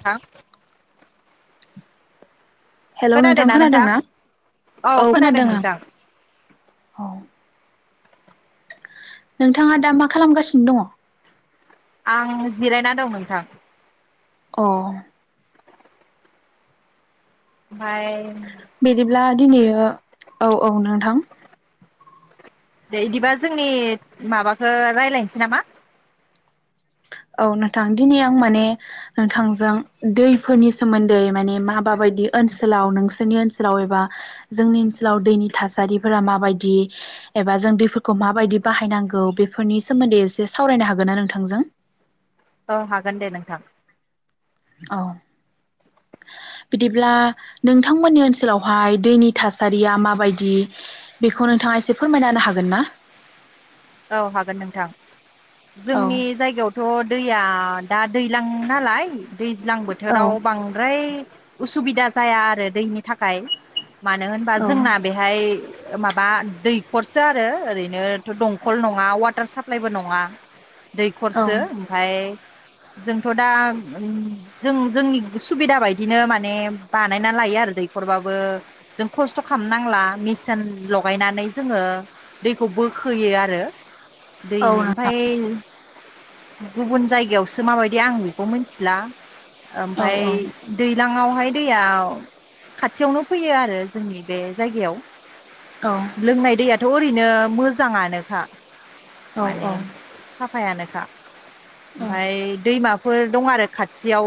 थां हेलौ नोंथां खोनादों ना औ खोनादों आं औ नोंथाङा दा मा खालामगासिनो दङ आं जिरायना दं नोंथां अ ओमफ्राय दिनै औ औ नोंथां दे बिदिबा जोंनि माबाखौ रायलायनोसै नामा औ नोंथां दिनै आं माने नोंथांजों दैफोरनि सोमोन्दै माने मा माबायदि ओनसोलाव नोंसोरनि ओनसोलाव एबा जोंनि ओनसोलाव दैनि थासारिफोरा माबायछदि एबा जों दैफोरखौ माबायदि बाहायनांगौ बेफोरनि सोमोन्दै एसे सावरायनो हागोन ना नोंथांजों औ हागोन दे नोंथां औ बिदिब्ला नोंथांमोननि ओनसोलावहाय दैनि थासारिया माबायदि बेखौ नोंथाङा एसे फोरमायनाांनो हागोन ना औ हागोन नोंथां औ जोंनि जायगायावथ' दैया दा दैलां नालाय दैज्लां बोथोराव बांद्राय उसुबिदा सुबदा जाया आरो दैनि थाखाय मानो होनबा औ जोंना बेहाय माबा दैखरसो आरो ओरैनोथ' दं दंकल नङा वाटार साप्लाइबो नङा औ दैखरसो ओमफाय जोंथ' दा जों जोंनि सुबिदा बायदिनो माने बानायना लायो आरो दैखरबाबो जों खस्थ' खालामनांला मेसिन लगायनानै जोङो दैखौ बोखोयो आरो [unintelligible] नोंथां औ दैनि ओमफाय गुबुन जायगायावसो माबायदि आं बेखौ मिथिला औ ओमफाय दैलाङावहाय दैया खाथियावनो फैयो आरो जोंनि बे जायगायाव लोंनाय दैया ओरैनो मोजाङानोखा माने साफायानोखा ओमफ्राय दैमा फोर दं आरो खाथियाव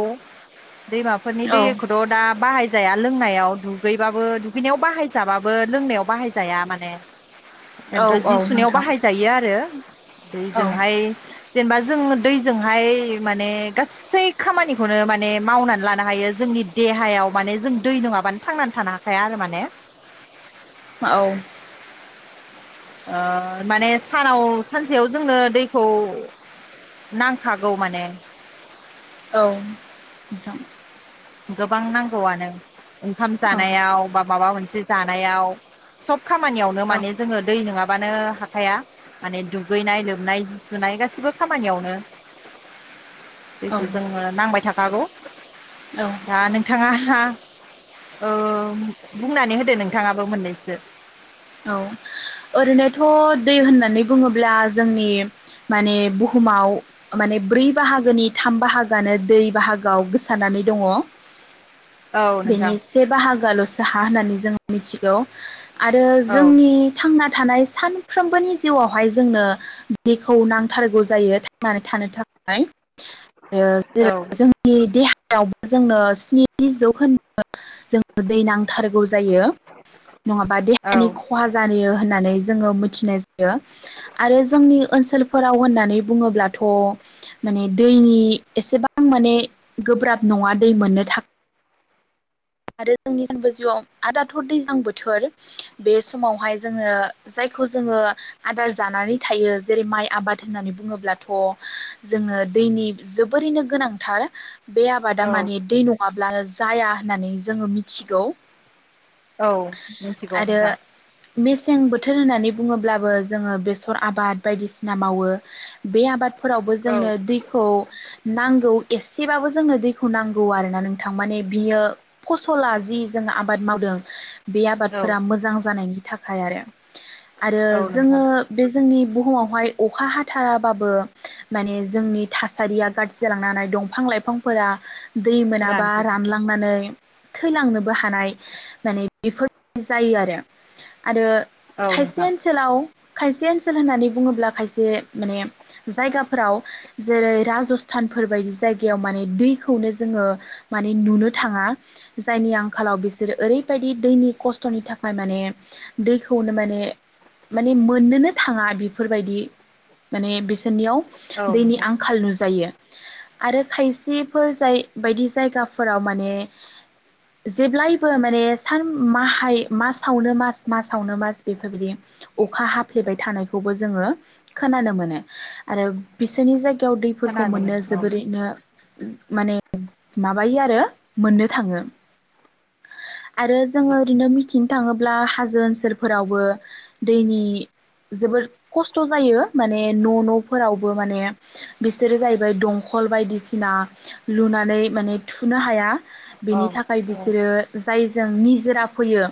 दैमाफोरनि औ दैखौथ' दा बाहाय जाया लोंनायाव दुगैबाबो दुगैनायाव बाहायजाबाबो लोंनायाव बाहाय जाया जाया माने औ औ बेनथ' जि औ सुनायाव नोंथां बाहायजायो आरो औ नोंथां औ दैजोंहाय जेनेबा जों दैजोंहाय माने गासै खामानिखौनो माने मावनानै लानो हायो जोंनि देहायाव माने जों दै नङाबानो थांनानै थानो हाखाया आरो माने औ ओ माने सानाव सानसेयाव जोंनो दैखौ नांखागौ माने औ नोंथां गोबां नांगौआनो ओंखाम जानायाव बा माबा मोनसे जानायाव सब खामानियावनो औ माने जोङो दै नोङाब्ला नङाबानो हाखाया माने दुगैनाय लोबनाय जि सुनाय गासिबो खामानियावनो औ दैखौ जोङो नांबाय था थागौ औ दा नोंथाङा [unintelligible] ओ बुंनानै होदो नोंथाङाबो मोननैसो औ ओरैनोथ' दै होननानै बुङोब्ला जोंनि माने बुहुमाव माने ब्रै बाहागोनि थाम बाहागोआनो दै बाहागोआव गोसारानानै दङ औ बेनि नोंथां एसे बाहागोयाल' सो हा होननानै जों मिथिगौ आरो औ जोंनि थांना थानाय सानफ्रोमबोनि जिउआवहाय जोंनो दैखौ नांथारगौ जायो थांनानै थानो थाखाय आरो जे औ [inaudible] जोंनि देहा [inaudible] जोंनो स्नि जौन्दो जोंनो दै नांथारगौ जायो नङाबा औ देहानि खहा जायो होननानै जोङो मिथिनाय जायो आरो जोंनि ओनसोलफोराव होननानै बुङोब्लाथ' माने दैनि एसेबां माने गोब्राब नङा दै मोननो था [inaudible] आरो जोंनि जिआव आरो दाथ' दैजलां बोथोर बे समावहाय जोङो जायखौ जोङो आदार जानानै थायो जेरै माइ आबाद होननानै बुङोब्लाथ' जोङो दैनि जोबोरैनो गोनांथार बे आबादा औ माने दै नङाब्लानो जाया होननानै जोङो मिथिगौ औ मिनथिगौ आरो नोंथां मेसें बोथोर होननानै बुङोब्लाबो जोङो बेसर आबाद बायदिसिना मावो बे आबाद फोरावबो औ जोंनो दैखौ नांगौ एसेबाबो जोंनो दैखौ नांगौ आरोना नोंथां माने बियो फ'सला जि जों आबाद मावदों बे औ आबादफोरा मोजां जानायनि थाखाय आरो। आरो औ नोंथां जोङो बे जोंनि बुहुमावहाय अखा हाथाराबाबो [unintelligible] माने जोंनि थासारिया गाज्रि जालांनो हानाय दंफां लाइफांफोरा। दै मोनाबा रानजोबो रानलांनानै थैलांनोबो हानाय [unintelligible] माने बिफोर जायो आरो। आरो औ खायसे नोंथां ओनसोलाव खायसे ओनसोल होननानै बुङोब्ला खायसे माने जायगाफोराव जेरै राजस्थानफोर बायदि जायगायाव माने दैखौनो जोङो [unintelligible] माने नुनो थाङा जायनि आंखालाव बिसोरो ओरैबायदि दैनि खस्थ'नि थाखाय माने। दैखौनो माने माने मोननोनो थाङा बिफोरबायदि माने बिसोरनियाव। औ [unintelligible] दैनि नोंथां आंखाल नुजायो। आरो खायसेफोर जाय बायदि जायगाफोराव माने जेब्लायबो माने सान माहाय मासावनो मास मासावनो मास बेफोरबायदि अखा हाफ्लेबाय थानायखौबो जोङो खोनानो मोनो आरो बिसोरनि जाय गायाव दैफोरखौ खोनानो मोननो औ जोबोरैनो [unintelligible] माने माबायो आरो मोननो थाङो [unintelligible] आरो जोङो ओरैनो मिथिनो थाङोब्ला हा। जो ओनसोलफोरावबो दैनि जोबोद खस्थ' जायो माने न' न'फोरावबो माने बिसोरो जाहैबाय दंखल बायदिसिना लुनानै माने थुनो हाया। औ बेनि थाखाय औ बिसोरो [inaudible] जायजों निजोरा फैयो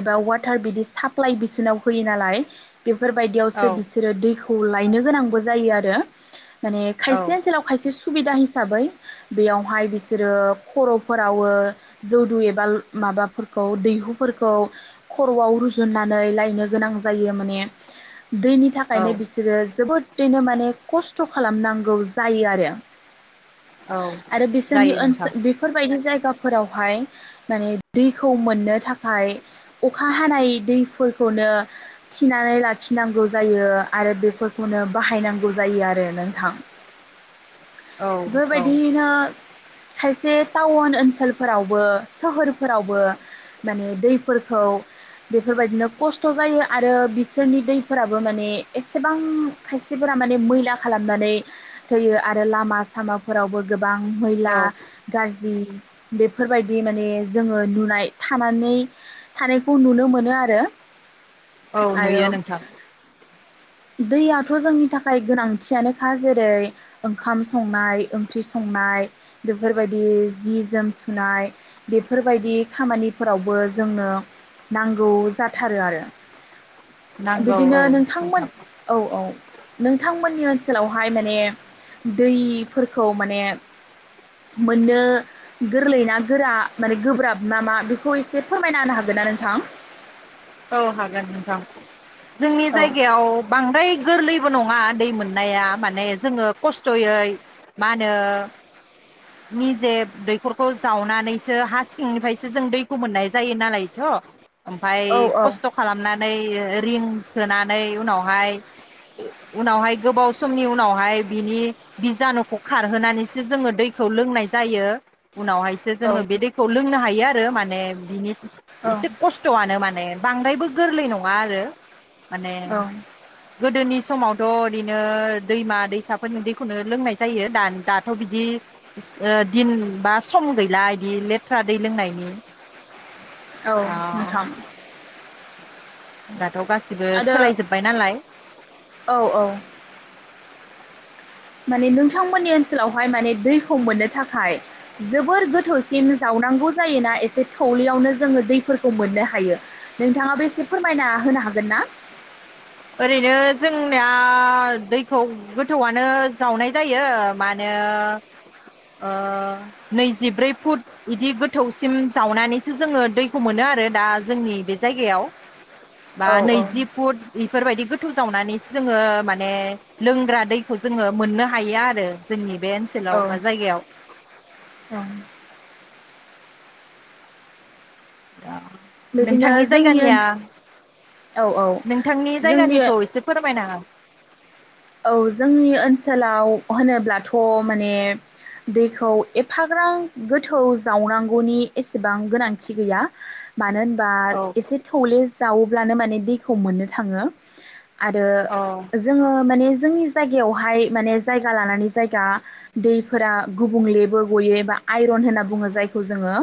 एबा वा [unintelligible] बिदि साप्लइ बिसोरनाव होयो नालाय। औ बेफोरबायदियावसो बिसोरो दैखौ खौ लायनो गोनांबो जायो आरो। माने औ खायसे ओनोलाव खायसे सुबिदा हिसाबै बेयावहाय बिसोरो खर'फोरावो जौदु एबा माबाफोरखौ दैहुफोरखौ। खर'आव रुजुननानै लायनो गोनां जायो माने। दैनि औ थाखायनो बिसोरो जोबोदैनो माने खस्थ' खालामनांगौ जायो आरो। औ आरो बिसोरनि जायो नोंथां ओनसोल बेफोर बायदि जायगा। फोरावहाय माने दैखौ मोननो थाखाय अखा हानाय दैफोरखौनो थिनानै लाखिनांगौ जायो आरो बेफोरखौनो बाहायनांगौ जायो आरो नोंथां। औ औ बेबायदियैनो खायसे टाउन ओनसोलफोरावबो सोहोरफोरावबो माने दै। खौ बेफोरबायदिनो खस्थ' जायो आरो बिसोरनि दैफोराबो माने एसेबां खायसेफोरा माने मैला खालामनानै थैयो आरो लामा सामाफोरावबो गो गोबां औ मैला गारजि जि बेफोरबायदि माने जोङो नुनाय थानानै। थानायखौ नुनो मोनो आरो। औ आरो नुयो नोंथां। दैयाथ' जोंनि थाखाय गोनांथियानोखा जेरै ओंखाम संनाय, ओंख्रि संनाय, बेफोरबायदि जि जोम सुनाय, बेफोरबायदि खामानिफोरावबो जोंनो नांगौ जाथारो आरो। नांगौ औ बिदिनो नोंथांमोन नोंथां औ औ। नोंथांमोननि ओनसोलावहाय माने दैफोरखौ माने मोननो गोरलै ना गोरा माने गोब्राब ना मा बेखौ एसे फोरमायना होनो हागो नना नोंथां? औ हागोन नोंथां जोंनि औ जायगायाव बांद्राय गोरलै बो नङा दै मोननाया माने जोङो खस्थ'यै मा होनो निजे दैखरखौ जावनानैसो हा सिंनिफ्रायसो जों दैखौ मोननाय जायो नालायथ' ओमफाय औ औ खस्थ' खालामनानै रिं सोनानै उनावहाय उनावहाय गोबाव समनि उनावहाय बिनि बिजानुखौ खारहोनानैसो जोङो दै खौ लोंनाय जायो उनावहायसो जोङो बे औ दैखौ लोंनो हायो आरो मा ने बिनि औ एसे खस्थ'आनो माने बांद्रायबो गोरलै नङा आरो माने औ गोदोनि समाव थ' ओरैनो दैमा दैसाफोरनि दैखौनो लोंनाय जायो दा दाथ' बिदि ओ दिन बा सम गैला बिदि लेथ्रा दै लोंनायनि। औ नोंथाम दा थ' गासिबो सोलायजोब्बाय नालाय औ औ माने नोंथांमोननि ओनसोलावहाय माने दैखौ मोननो थाखाय जोबोर गोथौसिम जावनांगौ जायोना एसे थौलेयावनो जोङो दैफोरखौ मोननो हायो, नोंथाङाबो एसे फोरमायना होनो हागोन ना? ओरैनो जोंनिया दैखौ गोथौआनो जावनाय जायो, मानो ओ नैजिब्रै फुट बिदि गोथौसिम जावनानैसो जोङो दैखौ मोनो आरो दा जोंनि बे जायगायाव। बा औ औ नैजि फुट इ बेफोरबायदि गोथौ जावनानैसो जोङो माने लोंग्रा दैखौ जोङो मोननो हायो आरो जोंनि बे ओनसोलाव औ बा जायगायाव औ दा बिदिनो नोंथांनि जोंनि जायगानिया, ओनस औ औ नोंथांनि जोंनि जायगानिखौ एसे फोरमायना औ जोंनि ओनसोलाव होनोब्लाथ' माने दैखौ एफाग्रां गोथौ जावनांगौनि एसेबां गोनांथि गैया। मानो होनबा हो एसे थौले जाव ब्लानो माने दैखौ मोननो थाङो। आरो औ जोङो माने जोंनि जायगायावहाय माने जायगा लानानै जायगा दैफोरा गुबुंलेबो गयो एबा आइरन होनना बुङो जायखौ जोङो।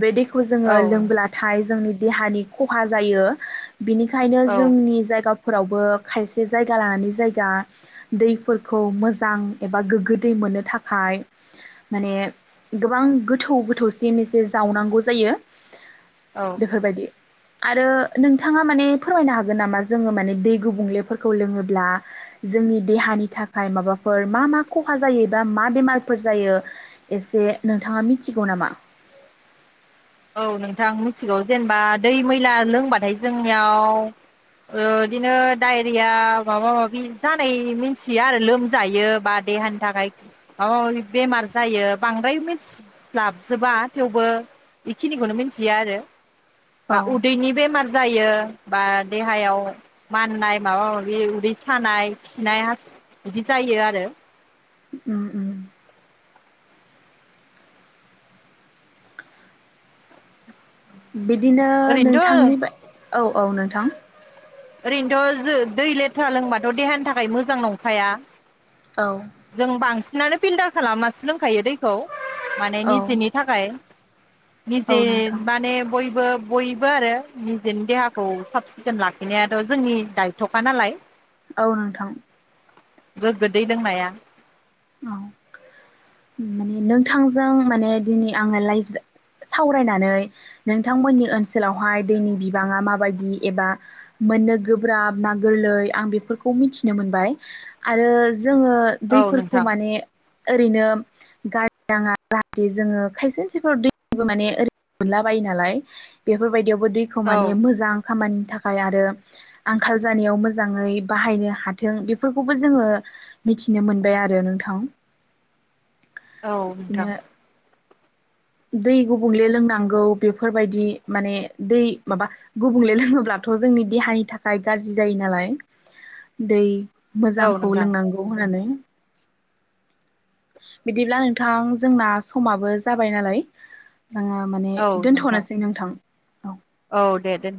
बे दैखौ औ जोङो लोंबोलाथाय जोंनि देहानि खहा जायो। बिनिखायनो औ जोंनि जायगा फोरावबो खायसे जायगा लानानै जायगा दैफोरखौ मोजां एबा गोग्गो दै मोननो थाखाय माने गोबां गोथौ गोथौसिन एसे जावनांगौ जायो। औ बेफोरबायदि आरो नोंथाङा माने फोरमायनो हागोन नामा जोङो माने दै गुबुंलेफोरखौ लोङोब्ला जोंनि देहानि थाखाय माबाफोर मा मा खहा जायोबा मा बेमारफोर जायो एसे नोंथाङा मिथिगौ नामा? औ नोंथां मिथिगौ जेनेबा दै मैला लोंबाथाय जोंनियाव बिदिनो डाइरिया माबा माबि जानाय मिथियो आरो लोमजायो बा देहानि थाखाय माबा माबि बेमार जायो बांद्राय मिथिस्लाबजोबा थेवबो बेखिनिखौनो मिथियो आरो। बा औ उदैनि बेमार जायो बा देहायाव माननाय माबा माबि उदै सानाय खिनाय हासु [unintelligible] बिदि जायो आरो। उम उम बिदिनो नोंथांनि ओरैनोथ' बा औ औ नोंथां ओरैनोथ' जो दै लेथ्रा लोंबाथ' देहानि थाखाय मोजां नंखाया। औ जों बांसिनानो फिल्टार खालामनासो लोंखायो दैखौ माने औ निजेनि थाखाय औ निजे नोंथां माने बयबो बयबो आरो निजेनि देहाखौ साब सिखोन लाख खिनायाथ' जोंनि दायथ'खा नालाय। औ नोंथां गोग्गो दै लोंनाया औ माने नोंथांजों माने दिनै आङो [unintelligible] सावरायनानै नोंथांमोननि ओनसोलावहाय दैनि‌ बिबाङा माबायदि एबा मोननो गोब्राब ना गोरलै आं बेफोरखौ मिथिनो मोनबाय आरो जोङो औ दैफोरखौ नोंथां माने ओरैनो गारि नाङा जाहाथे जोङो खायसे खसेफोराव दैबो माने ओरैनो मोनला बायो नालाय बेफोरबायदि यावबो दैखौ औ माने मोजां खामानिनि थाखाय थाखाय आरो आंखाल जानायाव मोजाङै बाहायनो हाथों बेफोरखौबो जोङो मिथिनो मोनबाय आरो नोथां औ नोंथां दै गुबुंले लोंनांगौ बेफोरबायदि माने दै माबा गुबुंले लोङोब्लाथ' जोंनि देहानि थाखाय गाज्रि जायो नालाय दै औ मोजांखौ नोंथां लोंनांगौ होननानै [inaudible] बिदिब्ला नोंथां जोंना समाबो जाबाय नालाय जोङो माने दोनथ'नोसै नोंथां औ औ दे दोन